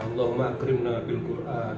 allahumma agrimna bil quran